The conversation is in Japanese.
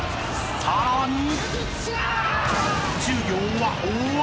さらに］